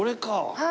はい。